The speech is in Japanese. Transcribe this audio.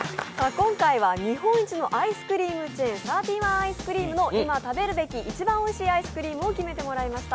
今回は日本一のアイスクリームチェーン、サーティワンアイスクリームの今食べるべき一番おいしいアイスクリームを決めてもらいました。